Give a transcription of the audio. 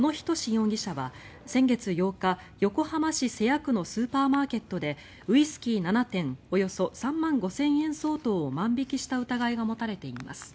容疑者は先月８日横浜市瀬谷区のスーパーマーケットでウイスキー７点およそ３万５０００円相当を万引きした疑いが持たれています。